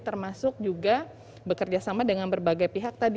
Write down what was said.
termasuk juga bekerjasama dengan berbagai pihak tadi